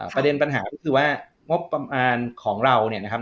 ประเด็นปัญหาก็คือว่างบประมาณของเราเนี่ยนะครับ